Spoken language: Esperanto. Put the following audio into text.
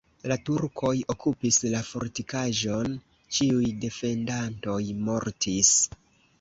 La turkoj okupis la fortikaĵon, ĉiuj defendantoj mortis.